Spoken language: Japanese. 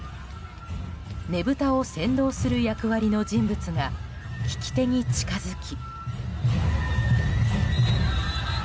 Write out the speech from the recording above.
ねぶたを先導する役割の人物が曳手に近づき。